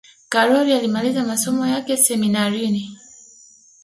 karol alimaliza masomo yake ya seminarini